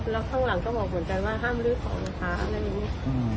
แล้วข้างหลังก็บอกเหมือนกันว่าห้ามลื้อของนะคะอะไรอย่างนี้